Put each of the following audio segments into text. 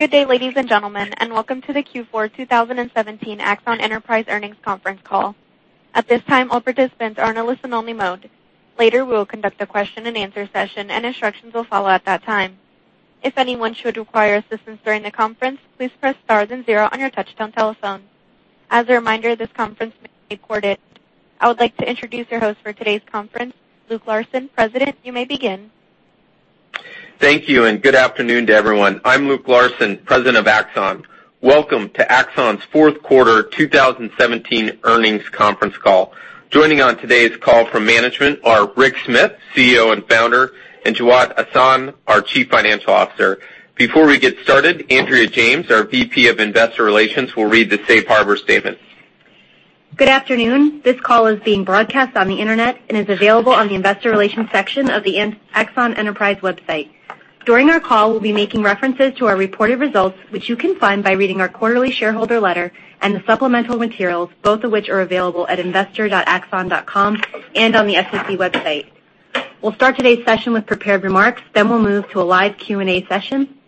Good day, ladies and gentlemen, and welcome to the Q4 2017 Axon Enterprise Earnings Conference Call. At this time, all participants are in a listen-only mode. Later, we will conduct a question and answer session, and instructions will follow at that time. If anyone should require assistance during the conference, please press star then zero on your touch-tone telephone. As a reminder, this conference may be recorded. I would like to introduce your host for today's conference, Luke Larson, President. You may begin. Thank you, good afternoon to everyone. I'm Luke Larson, President of Axon. Welcome to Axon's fourth quarter 2017 earnings conference call. Joining on today's call from management are Rick Smith, CEO and founder, and Jawad Ahsan, our Chief Financial Officer. Before we get started, Andrea James, our VP of Investor Relations, will read the safe harbor statement. Good afternoon. This call is being broadcast on the internet and is available on the investor relations section of the Axon Enterprise website. During our call, we'll be making references to our reported results, which you can find by reading our quarterly shareholder letter and the supplemental materials, both of which are available at investor.axon.com and on the SEC website. We'll start today's session with prepared remarks, then we'll move to a live Q&A session.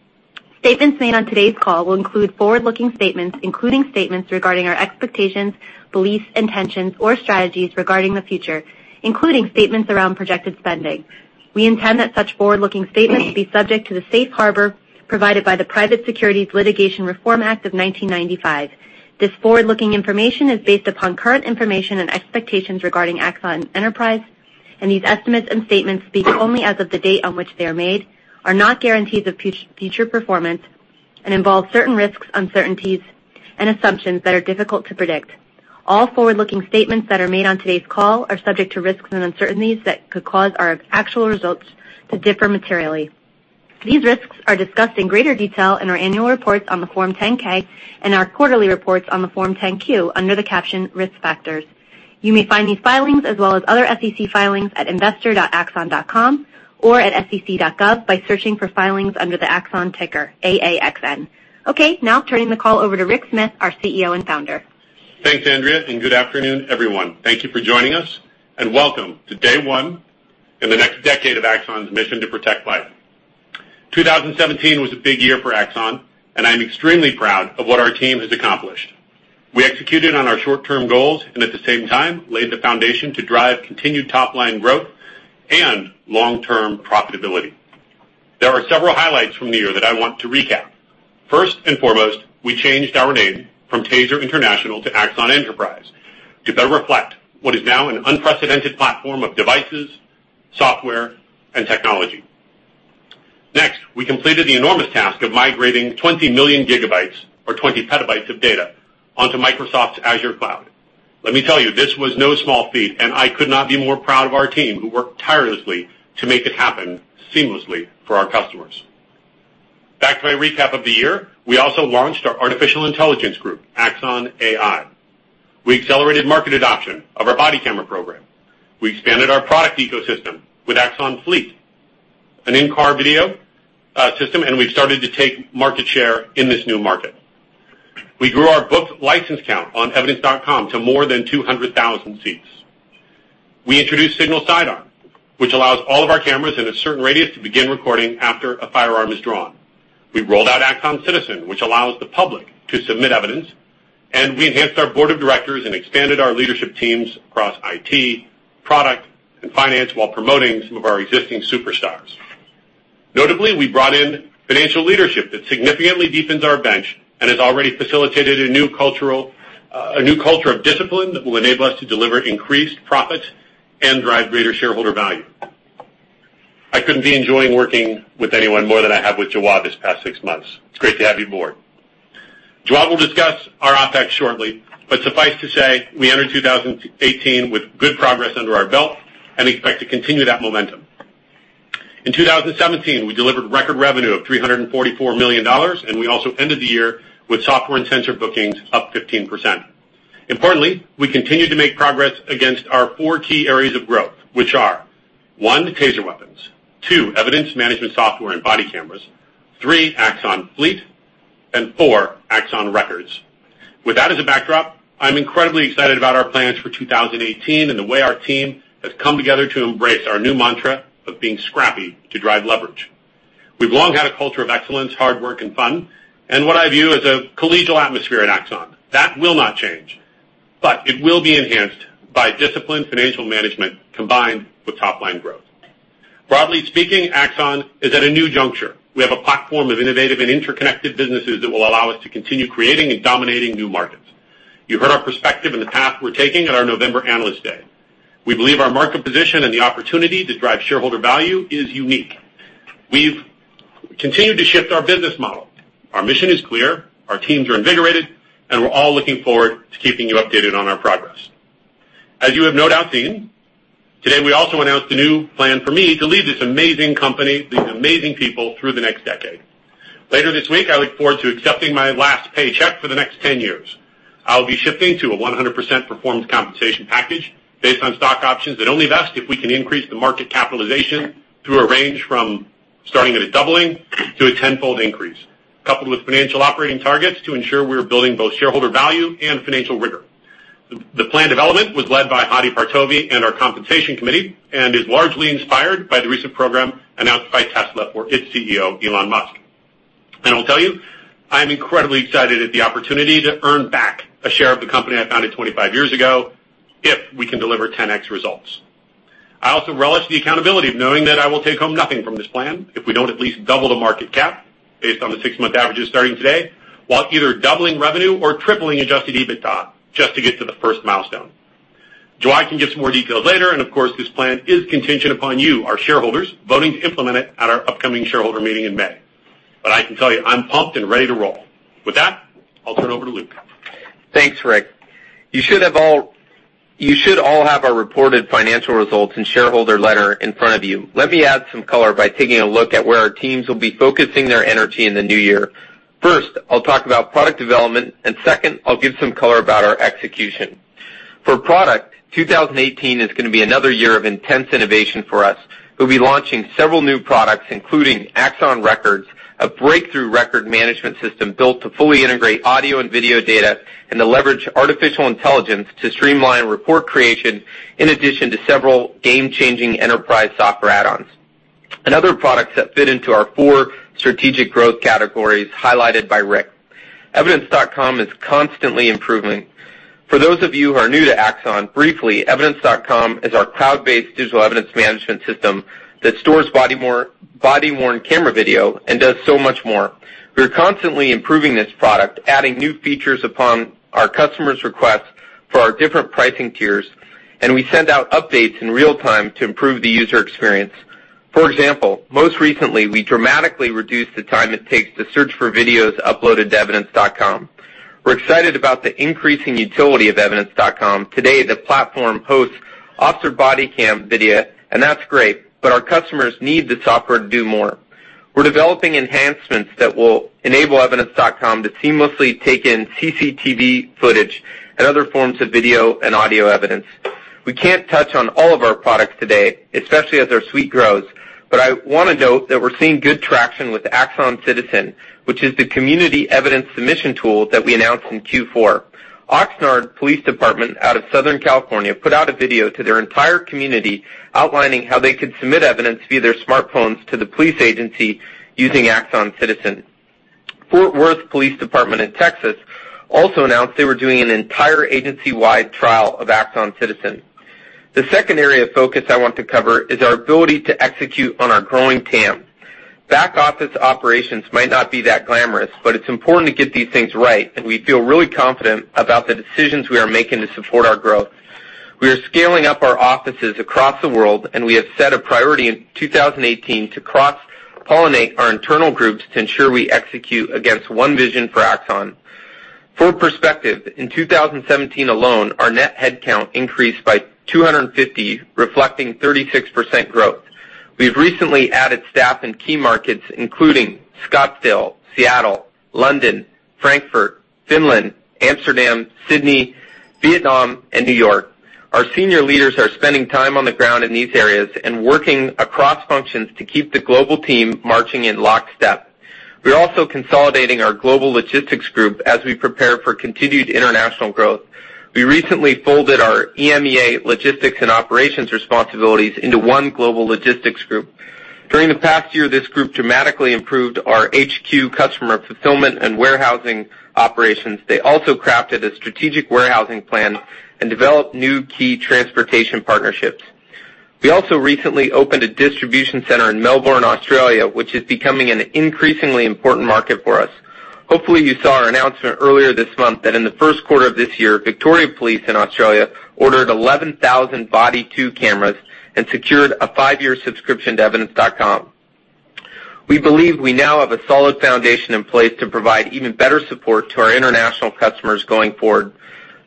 Statements made on today's call will include forward-looking statements, including statements regarding our expectations, beliefs, intentions, or strategies regarding the future, including statements around projected spending. We intend that such forward-looking statements will be subject to the safe harbor provided by the Private Securities Litigation Reform Act of 1995. This forward-looking information is based upon current information and expectations regarding Axon Enterprise, these estimates and statements speak only as of the date on which they are made, are not guarantees of future performance, and involve certain risks, uncertainties, and assumptions that are difficult to predict. All forward-looking statements that are made on today's call are subject to risks and uncertainties that could cause our actual results to differ materially. These risks are discussed in greater detail in our annual reports on the Form 10-K and our quarterly reports on the Form 10-Q under the caption Risk Factors. You may find these filings as well as other SEC filings at investor.axon.com or at sec.gov by searching for filings under the Axon ticker, AAXN. Now turning the call over to Rick Smith, our CEO and founder. Thanks, Andrea, and good afternoon, everyone. Thank you for joining us, and welcome to day one in the next decade of Axon's mission to protect life. 2017 was a big year for Axon, and I'm extremely proud of what our team has accomplished. We executed on our short-term goals and at the same time laid the foundation to drive continued top-line growth and long-term profitability. There are several highlights from the year that I want to recap. First and foremost, we changed our name from TASER International to Axon Enterprise to better reflect what is now an unprecedented platform of devices, software, and technology. Next, we completed the enormous task of migrating 20 million gigabytes or 20 petabytes of data onto Microsoft's Azure cloud. Let me tell you, this was no small feat, and I could not be more proud of our team who worked tirelessly to make it happen seamlessly for our customers. Back to my recap of the year, we also launched our artificial intelligence group, Axon AI. We accelerated market adoption of our body camera program. We expanded our product ecosystem with Axon Fleet, an in-car video system, and we've started to take market share in this new market. We grew our booked license count on Evidence.com to more than 200,000 seats. We introduced Signal Sidearm, which allows all of our cameras in a certain radius to begin recording after a firearm is drawn. We rolled out Axon Citizen, which allows the public to submit evidence, and we enhanced our board of directors and expanded our leadership teams across IT, product, and finance while promoting some of our existing superstars. Notably, we brought in financial leadership that significantly deepens our bench and has already facilitated a new culture of discipline that will enable us to deliver increased profit and drive greater shareholder value. I couldn't be enjoying working with anyone more than I have with Jawad this past six months. It's great to have you aboard. Jawad will discuss our OpEx shortly, but suffice to say, we enter 2018 with good progress under our belt and expect to continue that momentum. In 2017, we delivered record revenue of $344 million, and we also ended the year with software and sensor bookings up 15%. Importantly, we continued to make progress against our four key areas of growth, which are, one, TASER weapons; two, evidence management software and body cameras; three, Axon Fleet; and four, Axon Records. With that as a backdrop, I'm incredibly excited about our plans for 2018 and the way our team has come together to embrace our new mantra of being scrappy to drive leverage. We've long had a culture of excellence, hard work, and fun, what I view as a collegial atmosphere at Axon. That will not change. It will be enhanced by disciplined financial management combined with top-line growth. Broadly speaking, Axon is at a new juncture. We have a platform of innovative and interconnected businesses that will allow us to continue creating and dominating new markets. You heard our perspective and the path we're taking at our November Analyst Day. We believe our market position and the opportunity to drive shareholder value is unique. We've continued to shift our business model. Our mission is clear, our teams are invigorated. We're all looking forward to keeping you updated on our progress. As you have no doubt seen, today we also announced a new plan for me to lead this amazing company, these amazing people, through the next decade. Later this week, I look forward to accepting my last paycheck for the next 10 years. I'll be shifting to a 100% performance compensation package based on stock options that only vest if we can increase the market capitalization through a range from starting at a doubling to a tenfold increase, coupled with financial operating targets to ensure we're building both shareholder value and financial rigor. The plan development was led by Hadi Partovi and our compensation committee. Is largely inspired by the recent program announced by Tesla for its CEO, Elon Musk. I'll tell you, I'm incredibly excited at the opportunity to earn back a share of the company I founded 25 years ago, if we can deliver 10x results. I also relish the accountability of knowing that I will take home nothing from this plan if we don't at least double the market cap based on the six-month averages starting today, while either doubling revenue or tripling adjusted EBITDA, just to get to the first milestone. Jawad can give some more details later. Of course this plan is contingent upon you, our shareholders, voting to implement it at our upcoming shareholder meeting in May. I can tell you, I'm pumped and ready to roll. With that, I'll turn over to Luke. Thanks, Rick. You should all have our reported financial results and shareholder letter in front of you. Let me add some color by taking a look at where our teams will be focusing their energy in the new year. First, I'll talk about product development. Second, I'll give some color about our execution. For product, 2018 is going to be another year of intense innovation for us. We'll be launching several new products, including Axon Records, a breakthrough record management system built to fully integrate audio and video data. To leverage artificial intelligence to streamline report creation, in addition to several game-changing enterprise software add-ons, and other products that fit into our four strategic growth categories highlighted by Rick. Evidence.com is constantly improving. For those of you who are new to Axon, briefly, Evidence.com is our cloud-based digital evidence management system that stores body-worn camera video and does so much more. We are constantly improving this product, adding new features upon our customers' requests for our different pricing tiers. We send out updates in real time to improve the user experience. For example, most recently, we dramatically reduced the time it takes to search for videos uploaded to Evidence.com. We're excited about the increasing utility of Evidence.com. Today, the platform hosts officer body cam video. That's great. Our customers need the software to do more. We're developing enhancements that will enable Evidence.com to seamlessly take in CCTV footage and other forms of video and audio evidence. We can't touch on all of our products today, especially as our suite grows, but I want to note that we're seeing good traction with Axon Citizen, which is the community evidence submission tool that we announced in Q4. Oxnard Police Department out of Southern California put out a video to their entire community outlining how they could submit evidence via their smartphones to the police agency using Axon Citizen. Fort Worth Police Department in Texas also announced they were doing an entire agency-wide trial of Axon Citizen. The second area of focus I want to cover is our ability to execute on our growing TAM. Back office operations might not be that glamorous, but it's important to get these things right, and we feel really confident about the decisions we are making to support our growth. We are scaling up our offices across the world. We have set a priority in 2018 to cross-pollinate our internal groups to ensure we execute against one vision for Axon. For perspective, in 2017 alone, our net head count increased by 250, reflecting 36% growth. We've recently added staff in key markets including Scottsdale, Seattle, London, Frankfurt, Finland, Amsterdam, Sydney, Vietnam and New York. Our senior leaders are spending time on the ground in these areas and working across functions to keep the global team marching in lockstep. We're also consolidating our global logistics group as we prepare for continued international growth. We recently folded our EMEA logistics and operations responsibilities into one global logistics group. During the past year, this group dramatically improved our HQ customer fulfillment and warehousing operations. They also crafted a strategic warehousing plan and developed new key transportation partnerships. We also recently opened a distribution center in Melbourne, Australia, which is becoming an increasingly important market for us. Hopefully you saw our announcement earlier this month that in the first quarter of this year, Victoria Police in Australia ordered 11,000 Body 2 cameras and secured a five-year subscription to Evidence.com. We believe we now have a solid foundation in place to provide even better support to our international customers going forward.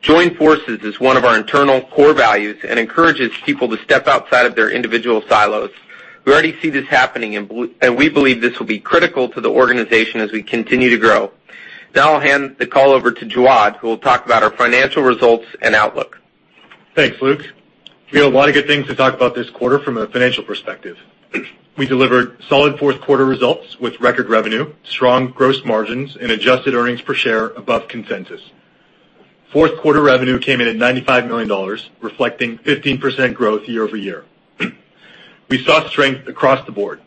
Joining forces is one of our internal core values and encourages people to step outside of their individual silos. We already see this happening. We believe this will be critical to the organization as we continue to grow. I'll hand the call over to Jawad, who will talk about our financial results and outlook. Thanks, Luke. We have a lot of good things to talk about this quarter from a financial perspective. We delivered solid fourth quarter results with record revenue, strong gross margins, and adjusted earnings per share above consensus. Fourth quarter revenue came in at $95 million, reflecting 15% growth year-over-year. We saw strength across the board.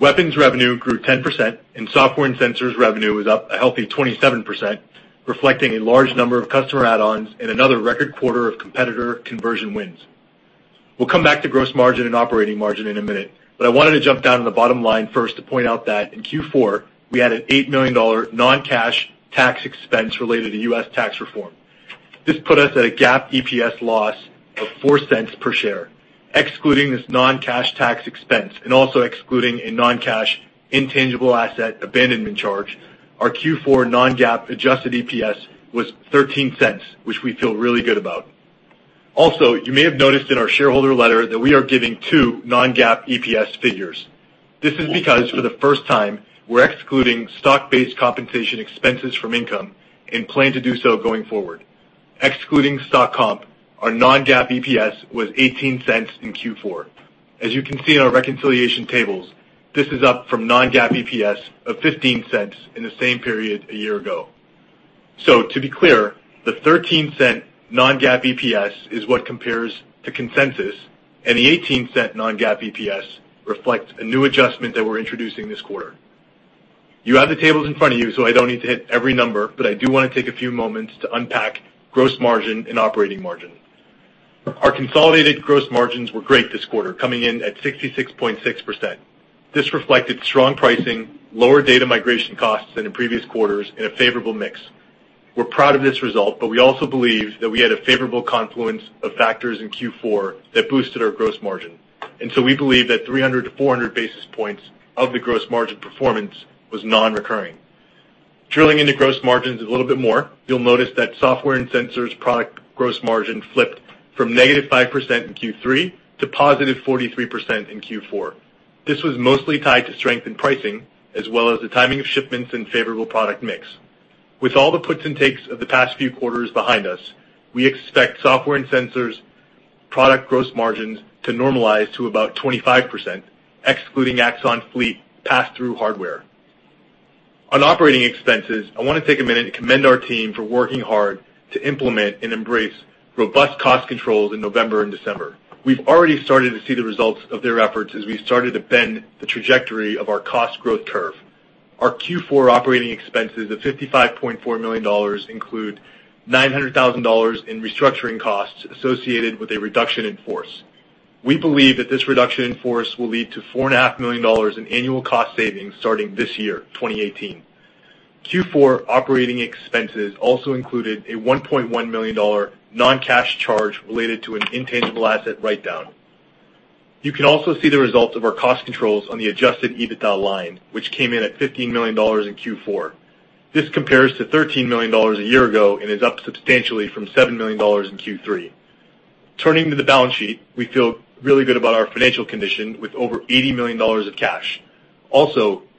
Weapons revenue grew 10%. Software and sensors revenue was up a healthy 27%, reflecting a large number of customer add-ons and another record quarter of competitor conversion wins. We'll come back to gross margin and operating margin in a minute. I wanted to jump down to the bottom line first to point out that in Q4, we had an $8 million non-cash tax expense related to U.S. tax reform. This put us at a GAAP EPS loss of $0.04 per share. Excluding this non-cash tax expense and also excluding a non-cash intangible asset abandonment charge, our Q4 non-GAAP adjusted EPS was $0.13, which we feel really good about. You may have noticed in our shareholder letter that we are giving two non-GAAP EPS figures. This is because, for the first time, we're excluding stock-based compensation expenses from income and plan to do so going forward. Excluding stock comp, our non-GAAP EPS was $0.18 in Q4. As you can see in our reconciliation tables, this is up from non-GAAP EPS of $0.15 in the same period a year ago. To be clear, the $0.13 non-GAAP EPS is what compares to consensus, and the $0.18 non-GAAP EPS reflects a new adjustment that we're introducing this quarter. You have the tables in front of you, so I don't need to hit every number, but I do want to take a few moments to unpack gross margin and operating margin. Our consolidated gross margins were great this quarter, coming in at 66.6%. This reflected strong pricing, lower data migration costs than in previous quarters, and a favorable mix. We're proud of this result, but we also believe that we had a favorable confluence of factors in Q4 that boosted our gross margin. We believe that 300 to 400 basis points of the gross margin performance was non-recurring. Drilling into gross margins a little bit more, you'll notice that software and sensors product gross margin flipped from -5% in Q3 to +43% in Q4. This was mostly tied to strength in pricing, as well as the timing of shipments and favorable product mix. With all the puts and takes of the past few quarters behind us, we expect software and sensors product gross margins to normalize to about 25%, excluding Axon Fleet pass-through hardware. On operating expenses, I want to take a minute and commend our team for working hard to implement and embrace robust cost controls in November and December. We've already started to see the results of their efforts as we started to bend the trajectory of our cost growth curve. Our Q4 operating expenses of $55.4 million include $900,000 in restructuring costs associated with a reduction in force. We believe that this reduction in force will lead to $4.5 million in annual cost savings starting this year, 2018. Q4 operating expenses also included a $1.1 million non-cash charge related to an intangible asset write-down. You can also see the results of our cost controls on the adjusted EBITDA line, which came in at $15 million in Q4. This compares to $13 million a year ago and is up substantially from $7 million in Q3. Turning to the balance sheet, we feel really good about our financial condition with over $80 million of cash.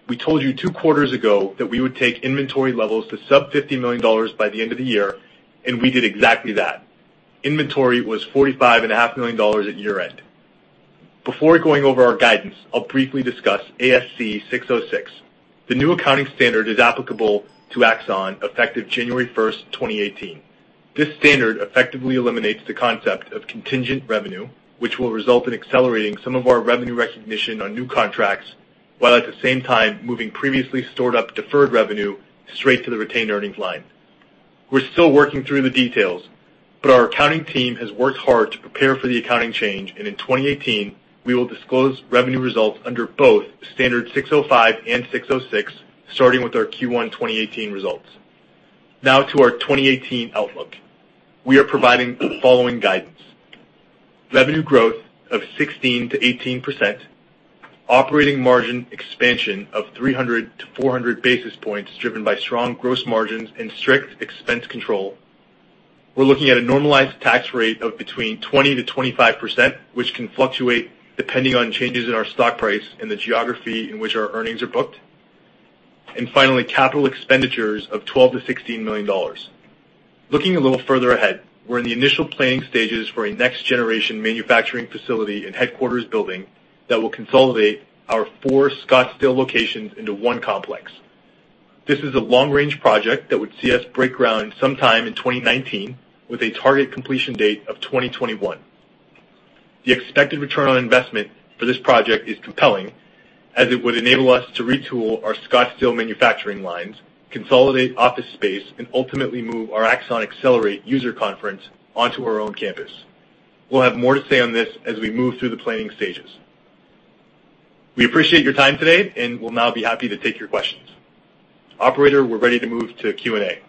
We told you two quarters ago that we would take inventory levels to sub $50 million by the end of the year, and we did exactly that. Inventory was $45.5 million at year-end. Before going over our guidance, I'll briefly discuss ASC 606. The new accounting standard is applicable to Axon effective January 1st, 2018. This standard effectively eliminates the concept of contingent revenue, which will result in accelerating some of our revenue recognition on new contracts, while at the same time moving previously stored up deferred revenue straight to the retained earnings line. We're still working through the details, but our accounting team has worked hard to prepare for the accounting change, and in 2018, we will disclose revenue results under both ASC 605 and 606, starting with our Q1 2018 results. Now to our 2018 outlook. We are providing the following guidance: revenue growth of 16%-18%, operating margin expansion of 300-400 basis points driven by strong gross margins and strict expense control. Finally, capital expenditures of $12 million-$16 million. Looking a little further ahead, we're in the initial planning stages for a next-generation manufacturing facility and headquarters building that will consolidate our four Scottsdale locations into one complex. This is a long-range project that would see us break ground sometime in 2019 with a target completion date of 2021. The expected return on investment for this project is compelling, as it would enable us to retool our Scottsdale manufacturing lines, consolidate office space, and ultimately move our Axon Accelerate user conference onto our own campus. We'll have more to say on this as we move through the planning stages. We appreciate your time today and will now be happy to take your questions. Operator, we're ready to move to Q&A.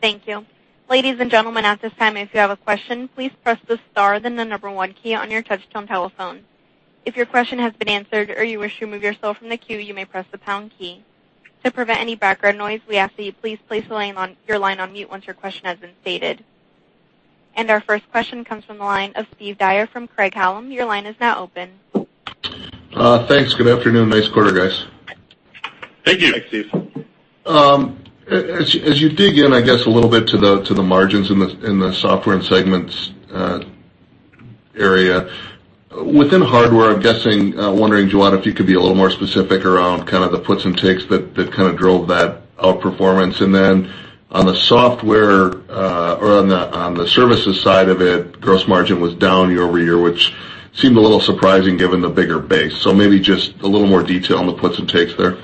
Thank you. Ladies and gentlemen, at this time, if you have a question, please press the star then the number 1 key on your touchtone telephone. If your question has been answered or you wish to remove yourself from the queue, you may press the pound key. To prevent any background noise, we ask that you please place your line on mute once your question has been stated. Our first question comes from the line of Steve Dyer from Craig-Hallum. Your line is now open. Thanks. Good afternoon. Nice quarter, guys. Thank you. Thanks, Steve. As you dig in, I guess a little bit to the margins in the software and segments area, within hardware, I'm wondering, Jawad, if you could be a little more specific around kind of the puts and takes that kind of drove that outperformance. On the software or on the services side of it, gross margin was down year-over-year, which seemed a little surprising given the bigger base. Maybe just a little more detail on the puts and takes there.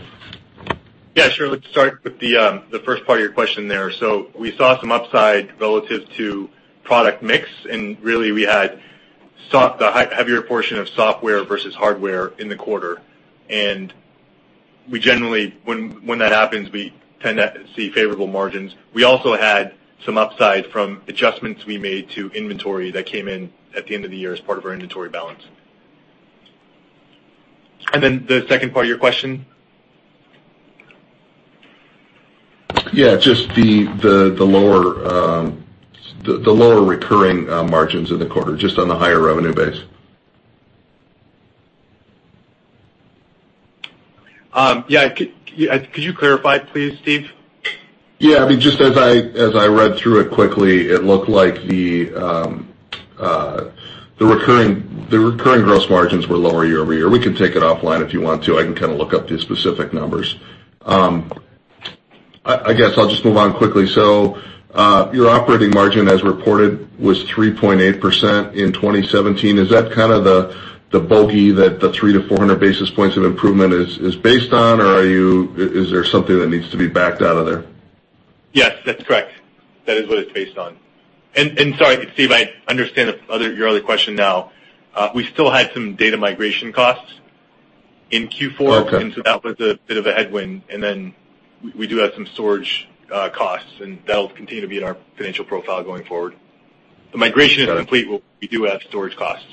Yeah, sure. Let's start with the first part of your question there. We saw some upside relative to product mix, and really we had the heavier portion of software versus hardware in the quarter. We generally, when that happens, we tend to see favorable margins. We also had some upside from adjustments we made to inventory that came in at the end of the year as part of our inventory balance. The second part of your question? Yeah, just the lower recurring margins in the quarter, just on the higher revenue base. Yeah. Could you clarify please, Steve? Yeah. Just as I read through it quickly, it looked like the recurring gross margins were lower year-over-year. We can take it offline if you want to. I can look up the specific numbers. I guess I'll just move on quickly. Your operating margin as reported was 3.8% in 2017. Is that kind of the bogey that the 300 to 400 basis points of improvement is based on, or is there something that needs to be backed out of there? Yes, that's correct. That is what it's based on. Sorry, Steve, I understand your other question now. We still had some data migration costs in Q4- Okay. That was a bit of a headwind, and then we do have some storage costs, and that'll continue to be in our financial profile going forward. The migration- Got it. is complete, but we do have storage costs.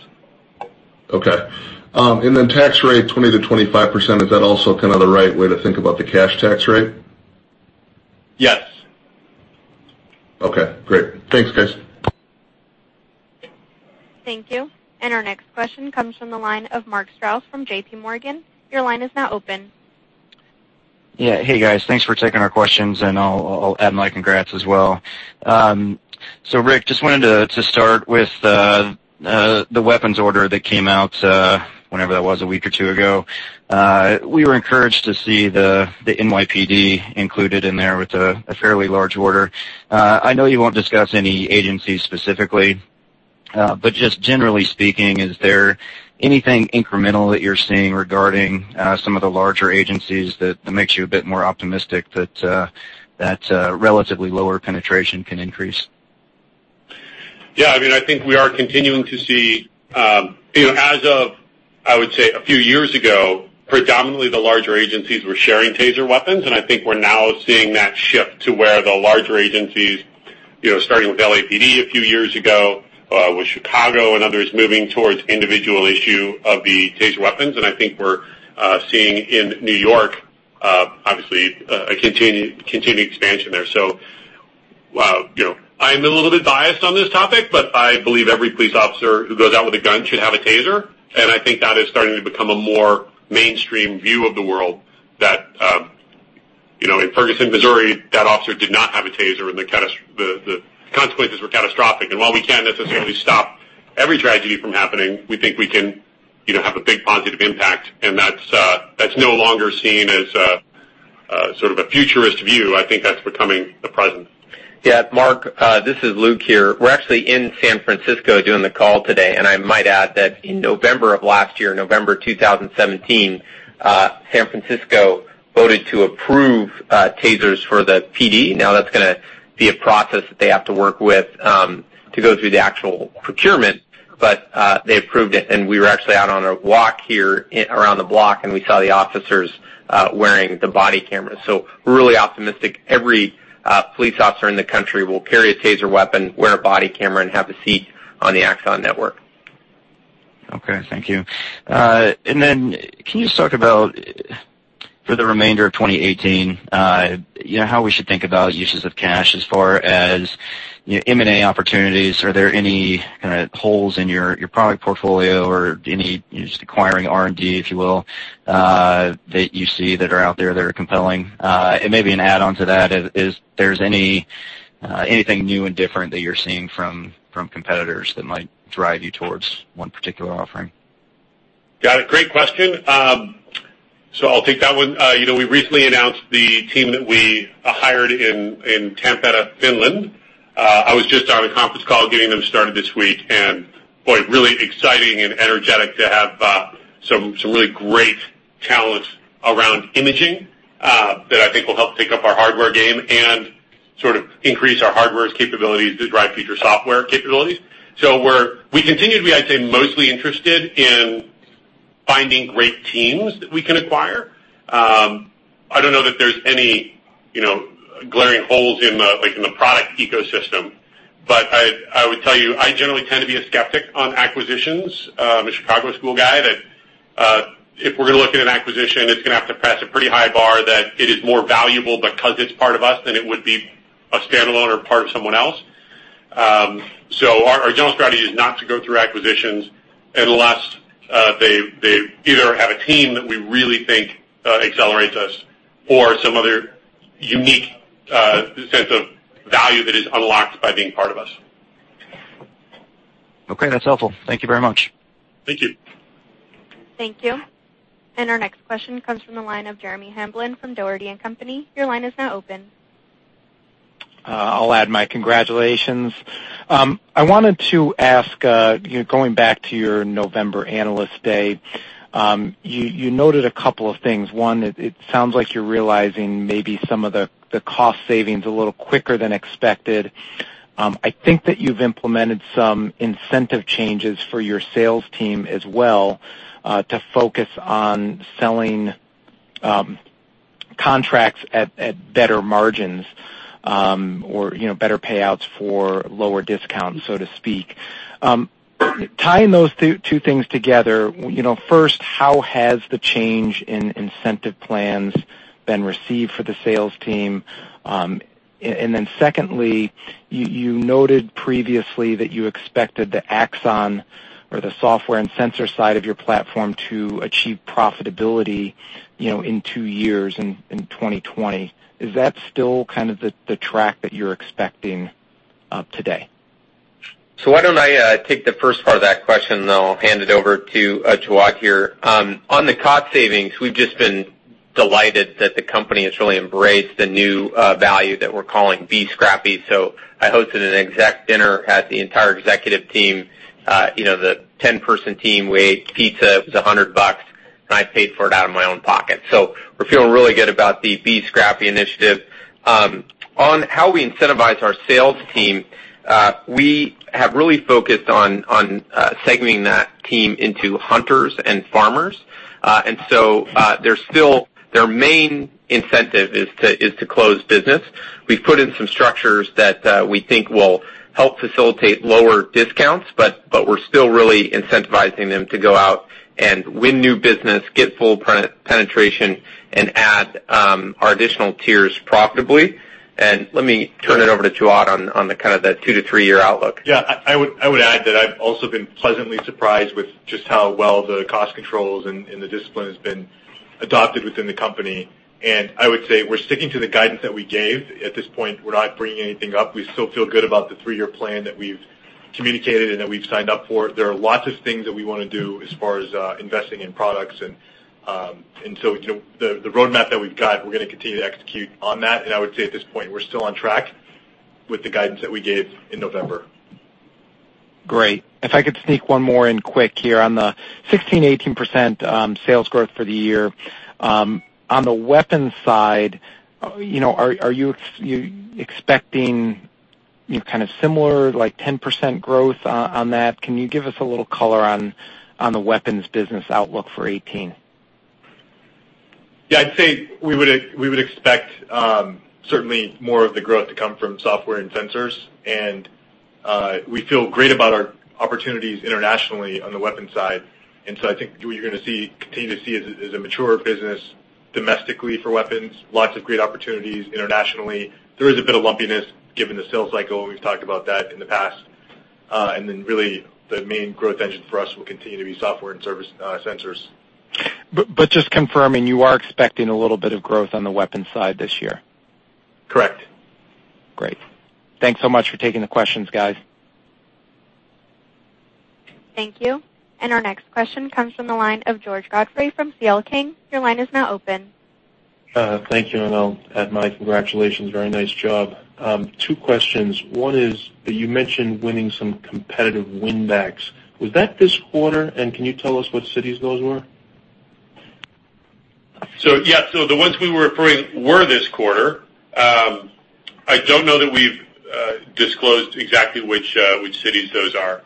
Okay. Tax rate, 20%-25%, is that also kind of the right way to think about the cash tax rate? Yes. Okay, great. Thanks, guys. Thank you. Our next question comes from the line of Mark Strouse from JPMorgan. Your line is now open. Yeah. Hey, guys. Thanks for taking our questions, and I'll add my congrats as well. Rick, just wanted to start with the weapons order that came out, whenever that was, a week or two ago. We were encouraged to see the NYPD included in there with a fairly large order. I know you won't discuss any agencies specifically, but just generally speaking, is there anything incremental that you're seeing regarding some of the larger agencies that makes you a bit more optimistic that relatively lower penetration can increase? I think we are continuing to see, as of, I would say, a few years ago, predominantly the larger agencies were sharing TASER weapons. I think we're now seeing that shift to where the larger agencies, starting with LAPD a few years ago, with Chicago and others moving towards individual issue of the TASER weapons. I think we're seeing in New York, obviously, a continued expansion there. I'm a little bit biased on this topic, but I believe every police officer who goes out with a gun should have a TASER, and I think that is starting to become a more mainstream view of the world. In Ferguson, Missouri, that officer did not have a TASER, and the consequences were catastrophic. While we can't necessarily stop every tragedy from happening, we think we can have a big positive impact, and that's no longer seen as sort of a futurist view. I think that's becoming the present. Yeah, Mark, this is Luke here. We're actually in San Francisco doing the call today. I might add that in November of last year, November 2017, San Francisco voted to approve TASERs for the PD. That's going to be a process that they have to work with to go through the actual procurement, but they approved it. We were actually out on a walk here around the block, and we saw the officers wearing the body cameras. We're really optimistic every police officer in the country will carry a TASER weapon, wear a body camera, and have a seat on the Axon network. Okay, thank you. Can you just talk about, for the remainder of 2018, how we should think about uses of cash as far as M&A opportunities? Are there any kind of holes in your product portfolio or any just acquiring R&D, if you will, that you see that are out there that are compelling? Maybe an add-on to that, if there's anything new and different that you're seeing from competitors that might drive you towards one particular offering? Got it. Great question. I'll take that one. We recently announced the team that we hired in Tampere, Finland. I was just on a conference call getting them started this week, and boy, really exciting and energetic to have some really great talent around imaging, that I think will help take up our hardware game and sort of increase our hardware's capabilities to drive future software capabilities. We continue to be, I'd say, mostly interested in finding great teams that we can acquire. I don't know that there's any glaring holes in the product ecosystem. I would tell you, I generally tend to be a skeptic on acquisitions. I'm a Chicago School guy, that if we're going to look at an acquisition, it's going to have to pass a pretty high bar that it is more valuable because it's part of us than it would be a standalone or part of someone else. Our general strategy is not to go through acquisitions unless they either have a team that we really think accelerates us or some other unique sense of value that is unlocked by being part of us. Okay, that's helpful. Thank you very much. Thank you. Thank you. Our next question comes from the line of Jeremy Hamblin from Dougherty & Company. Your line is now open. I'll add my congratulations. I wanted to ask, going back to your November Analyst Day, you noted a couple of things. One, it sounds like you're realizing maybe some of the cost savings a little quicker than expected. I think that you've implemented some incentive changes for your sales team as well, to focus on selling contracts at better margins, or better payouts for lower discounts, so to speak. Tying those two things together, first, how has the change in incentive plans been received for the sales team? Then secondly, you noted previously that you expected the Axon or the software and sensor side of your platform to achieve profitability in two years, in 2020. Is that still kind of the track that you're expecting today? Why don't I take the first part of that question, then I'll hand it over to Jawad here. On the cost savings, we've just been delighted that the company has really embraced a new value that we're calling Be Scrappy. I hosted an exec dinner, had the entire executive team, the 10-person team. We ate pizza. It was $100, and I paid for it out of my own pocket. We're feeling really good about the Be Scrappy initiative. On how we incentivize our sales team, we have really focused on segmenting that team into hunters and farmers. Their main incentive is to close business. We've put in some structures that we think will help facilitate lower discounts, but we're still really incentivizing them to go out and win new business, get full penetration, and add our additional tiers profitably. Let me turn it over to Jawad on kind of the two to three-year outlook. Yeah, I would add that I've also been pleasantly surprised with just how well the cost controls and the discipline has been adopted within the company. I would say we're sticking to the guidance that we gave. At this point, we're not bringing anything up. We still feel good about the three-year plan that we've communicated and that we've signed up for. There are lots of things that we want to do as far as investing in products. So the roadmap that we've got, we're going to continue to execute on that. I would say at this point, we're still on track with the guidance that we gave in November. Great. If I could sneak one more in quick here. On the 16%-18% sales growth for the year, on the weapons side, are you expecting kind of similar, like 10% growth on that? Can you give us a little color on the weapons business outlook for 2018? Yeah, I'd say we would expect certainly more of the growth to come from software and sensors. We feel great about our opportunities internationally on the weapons side. So I think what you're going to continue to see is a mature business domestically for weapons, lots of great opportunities internationally. There is a bit of lumpiness given the sales cycle, and we've talked about that in the past. Then really, the main growth engine for us will continue to be software and service sensors. Just confirming, you are expecting a little bit of growth on the weapons side this year? Correct. Great. Thanks so much for taking the questions, guys. Thank you. Our next question comes from the line of George Godfrey from C.L. King. Your line is now open. Thank you. I'll add my congratulations. Very nice job. Two questions. One is, you mentioned winning some competitive win backs. Was that this quarter? Can you tell us what cities those were? Yeah. The ones we were referring were this quarter. I don't know that we've disclosed exactly which cities those are.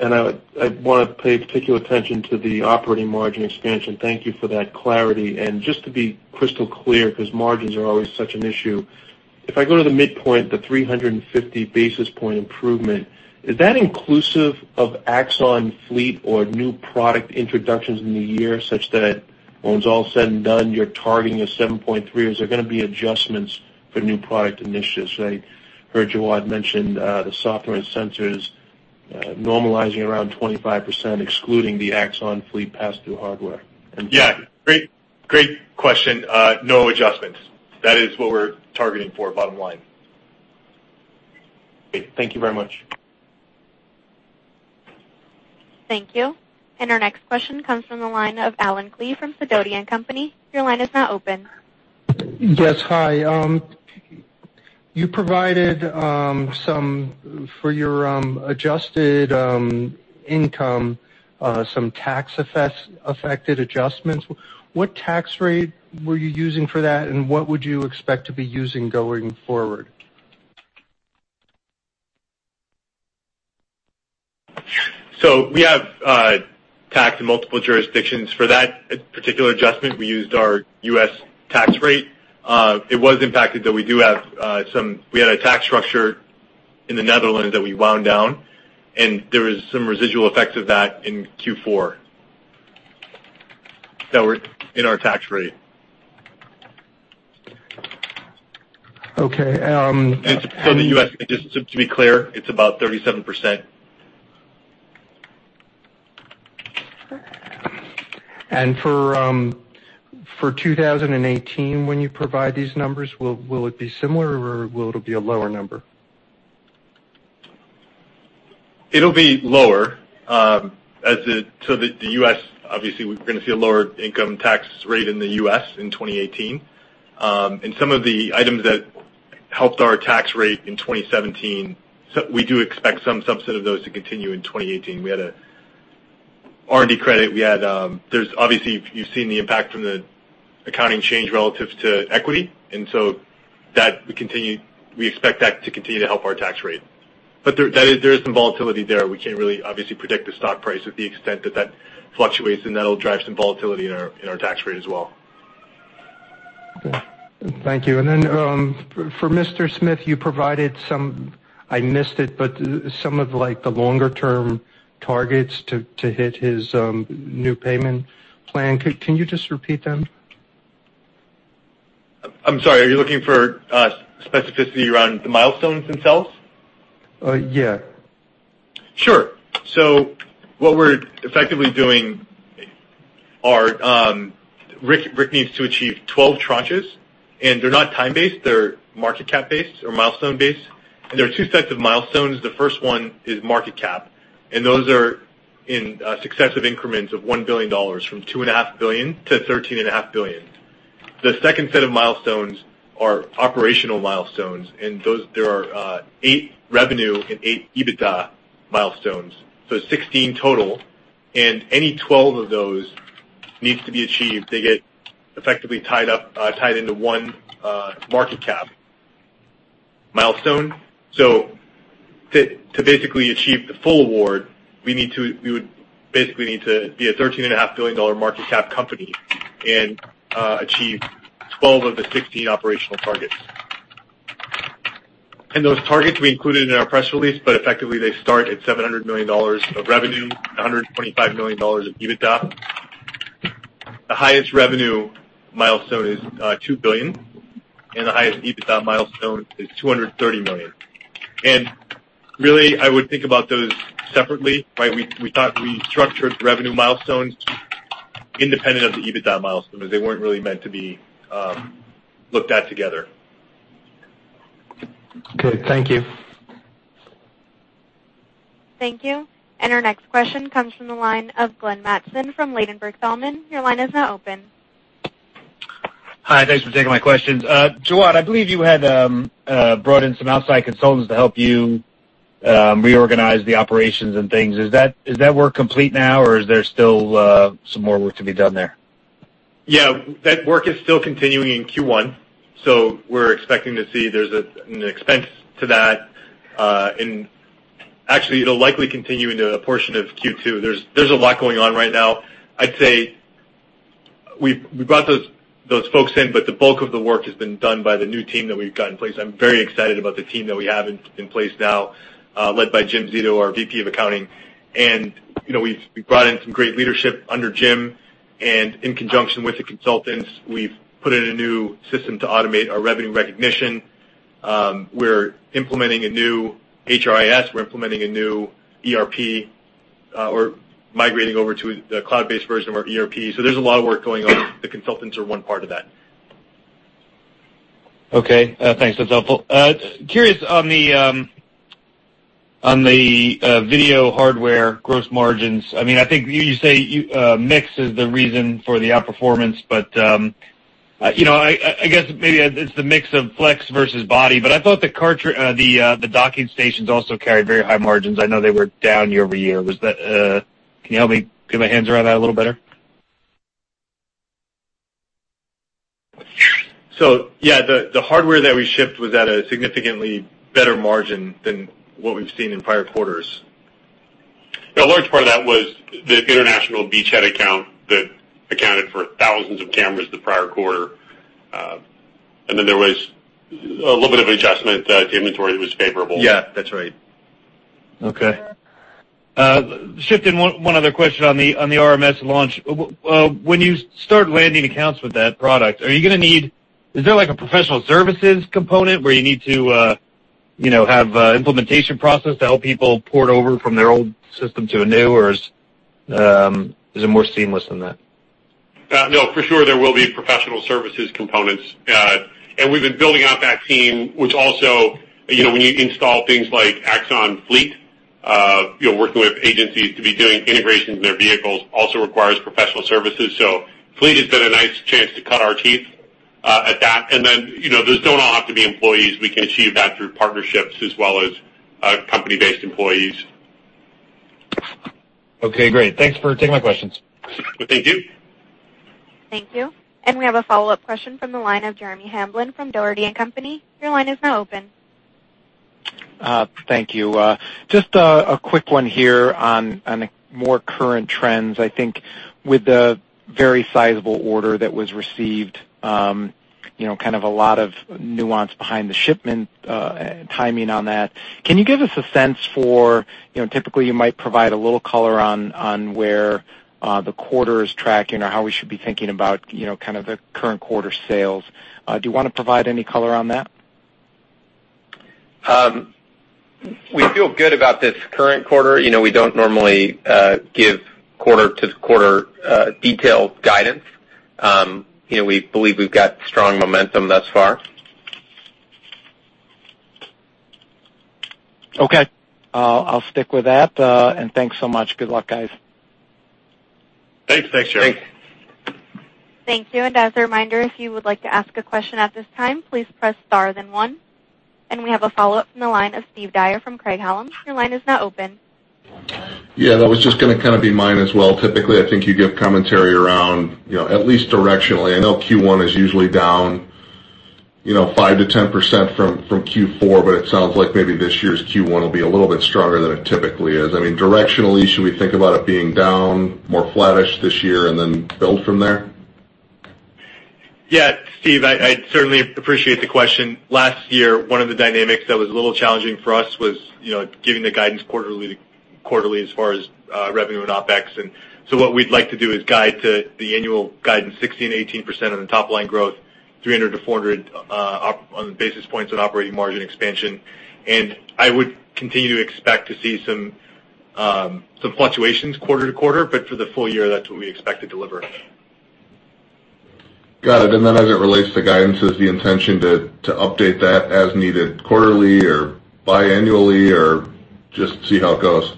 I want to pay particular attention to the operating margin expansion. Thank you for that clarity. Just to be crystal clear, because margins are always such an issue, if I go to the midpoint, the 350 basis point improvement, is that inclusive of Axon Fleet or new product introductions in the year such that when it's all said and done, you're targeting a 7.3%, or is there going to be adjustments for new product initiatives? I heard Jawad mention the software and sensors normalizing around 25%, excluding the Axon Fleet pass-through hardware. Yeah. Great question. No adjustments. That is what we're targeting for bottom line. Great. Thank you very much. Thank you. Our next question comes from the line of Allen Klee from Sidoti & Company. Your line is now open. Yes. Hi. You provided, for your adjusted income, some tax-affected adjustments. What tax rate were you using for that, and what would you expect to be using going forward? We have taxed in multiple jurisdictions. For that particular adjustment, we used our U.S. tax rate. It was impacted that we had a tax structure in the Netherlands that we wound down, and there was some residual effects of that in Q4 that were in our tax rate. Okay. In the U.S., just to be clear, it's about 37%. For 2018, when you provide these numbers, will it be similar, or will it be a lower number? It'll be lower. The U.S., obviously, we're going to see a lower income tax rate in the U.S. in 2018. Some of the items that helped our tax rate in 2017, we do expect some subset of those to continue in 2018. We had an R&D credit. Obviously, you've seen the impact from the accounting change relative to equity, and so we expect that to continue to help our tax rate. There is some volatility there. We can't really obviously predict the stock price at the extent that that fluctuates, and that'll drive some volatility in our tax rate as well. Thank you. For Mr. Smith, you provided some I missed it, but some of the longer-term targets to hit his new payment plan, can you just repeat them? I'm sorry, are you looking for specificity around the milestones themselves? Yeah. Sure. What we're effectively doing are, Rick needs to achieve 12 tranches, and they're not time-based, they're market cap-based or milestone-based. There are two sets of milestones. The first one is market cap, and those are in successive increments of $1 billion, from $2.5 billion-$13.5 billion. The second set of milestones are operational milestones, and there are eight revenue and eight EBITDA milestones. 16 total. Any 12 of those needs to be achieved. They get effectively tied into one market cap milestone. To basically achieve the full award, we would basically need to be a $13.5 billion market cap company and achieve 12 of the 16 operational targets. Those targets we included in our press release, but effectively, they start at $700 million of revenue, $125 million of EBITDA. The highest revenue milestone is $2 billion, the highest EBITDA milestone is $230 million. Really, I would think about those separately. We structured the revenue milestones independent of the EBITDA milestones, because they weren't really meant to be looked at together. Okay, thank you. Thank you. Our next question comes from the line of Glenn Mattson from Ladenburg Thalmann. Your line is now open. Hi, thanks for taking my questions. Jawad, I believe you had brought in some outside consultants to help you reorganize the operations and things. Is that work complete now, or is there still some more work to be done there? Yeah, that work is still continuing in Q1. We're expecting to see there's an expense to that. Actually, it'll likely continue into a portion of Q2. There's a lot going on right now. I'd say we brought those folks in, but the bulk of the work has been done by the new team that we've got in place. I'm very excited about the team that we have in place now, led by Jim Zito, our VP of Accounting. We've brought in some great leadership under Jim, and in conjunction with the consultants, we've put in a new system to automate our revenue recognition. We're implementing a new HRIS, we're implementing a new ERP, or migrating over to the cloud-based version of our ERP. There's a lot of work going on. The consultants are one part of that. Okay. Thanks. That's helpful. Curious on the video hardware gross margins. I think you say mix is the reason for the outperformance, but I guess maybe it's the mix of Flex versus Body, but I thought the docking stations also carried very high margins. I know they were down year-over-year. Can you help me get my hands around that a little better? Yeah, the hardware that we shipped was at a significantly better margin than what we've seen in prior quarters. A large part of that was the international beachhead account that accounted for thousands of cameras the prior quarter. There was a little bit of an adjustment that the inventory was favorable. Yeah, that's right. Okay. Shifting one other question on the RMS launch. When you start landing accounts with that product, is there a professional services component where you need to have a implementation process to help people port over from their old system to a new, or is it more seamless than that? No, for sure there will be professional services components. We've been building out that team, which also, when you install things like Axon Fleet, working with agencies to be doing integrations in their vehicles also requires professional services. Fleet has been a nice chance to cut our teeth at that. Then, those don't all have to be employees. We can achieve that through partnerships as well as company-based employees. Okay, great. Thanks for taking my questions. Thank you. Thank you. We have a follow-up question from the line of Jeremy Hamblin from Dougherty & Company. Your line is now open. Thank you. Just a quick one here on more current trends. I think with the very sizable order that was received, kind of a lot of nuance behind the shipment timing on that. Can you give us a sense for, typically you might provide a little color on where the quarter is tracking or how we should be thinking about kind of the current quarter sales. Do you want to provide any color on that? We feel good about this current quarter. We don't normally give quarter-to-quarter detailed guidance. We believe we've got strong momentum thus far. Okay. I'll stick with that, thanks so much. Good luck, guys. Thanks. Thanks, Jeremy. Thank you. As a reminder, if you would like to ask a question at this time, please press star then one. We have a follow-up from the line of Steve Dyer from Craig-Hallum. Your line is now open. Yeah, that was just going to kind of be mine as well. Typically, I think you give commentary around at least directionally. I know Q1 is usually down five%-10% from Q4, but it sounds like maybe this year's Q1 will be a little bit stronger than it typically is. I mean, directionally, should we think about it being down, more flattish this year, and then build from there? Yeah, Steve, I certainly appreciate the question. Last year, one of the dynamics that was a little challenging for us was giving the guidance quarterly as far as revenue and OpEx. What we'd like to do is guide to the annual guidance 16%-18% on the top line growth, 300-400 basis points on operating margin expansion. I would continue to expect to see some fluctuations quarter to quarter, but for the full year, that's what we expect to deliver. Got it. As it relates to guidance, is the intention to update that as needed quarterly or biannually, or just see how it goes?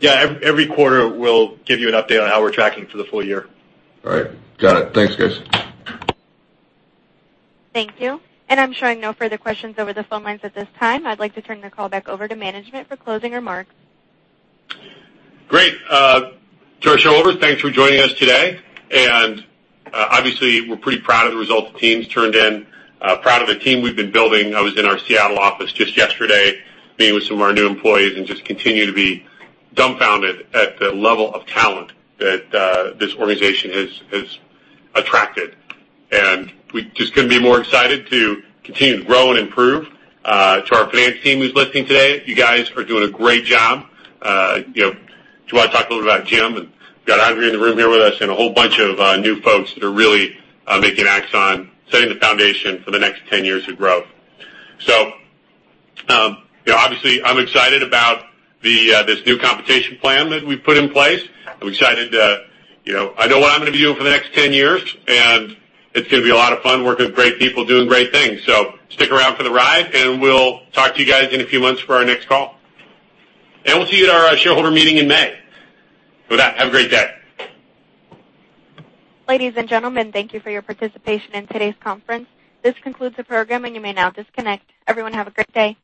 Yeah. Every quarter, we'll give you an update on how we're tracking for the full year. All right. Got it. Thanks, guys. Thank you. I'm showing no further questions over the phone lines at this time. I'd like to turn the call back over to management for closing remarks. Great. To our shareholders, thanks for joining us today. Obviously, we're pretty proud of the results the team's turned in, proud of the team we've been building. I was in our Seattle office just yesterday meeting with some of our new employees and just continue to be dumbfounded at the level of talent that this organization has attracted. We just couldn't be more excited to continue to grow and improve. To our finance team who's listening today, you guys are doing a great job. I do want to talk a little about Jim, and we've got Andrea in the room here with us and a whole bunch of new folks that are really making Axon, setting the foundation for the next 10 years of growth. Obviously, I'm excited about this new compensation plan that we've put in place. I'm excited. I know what I'm going to be doing for the next 10 years, and it's going to be a lot of fun working with great people doing great things. Stick around for the ride, and we'll talk to you guys in a few months for our next call. We'll see you at our shareholder meeting in May. With that, have a great day. Ladies and gentlemen, thank you for your participation in today's conference. This concludes the program, and you may now disconnect. Everyone, have a great day.